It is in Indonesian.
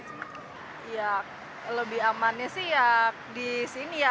ya lebih amannya sih ya di sini ya